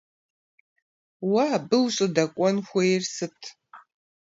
Уэ абы ущӀыдэкӀуэн хуейр сыт?